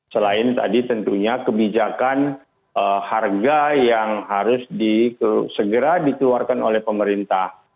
selain tadi tentunya kebijakan harga yang harus segera dikeluarkan oleh pemerintah